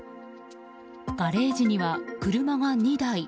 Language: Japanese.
ガレージには車が２台。